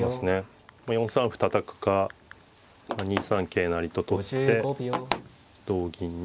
４三歩たたくか２三桂成と取って同銀に。